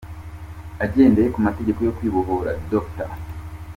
Agendeye ku mateka yo kwibohora, Dr.